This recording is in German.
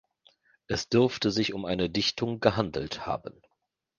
Es dürfte sich um eine Dichtung gehandelt haben.